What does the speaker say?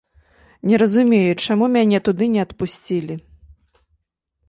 Не разумею, чаму мяне туды не адпусцілі.